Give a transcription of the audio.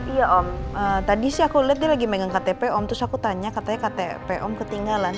iya om tadi sih aku lihat dia lagi megang ktp om terus aku tanya katanya ktp om ketinggalan